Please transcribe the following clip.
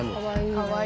かわいい。